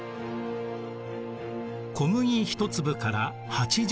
小麦１粒から８０粒。